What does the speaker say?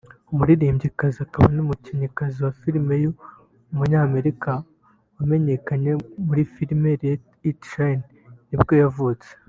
umuririmbyikazi akaba n’umukinnyikazi wa filime w’umunyamerika wamenyekanye muri filime Let it Shine nibwo yavutse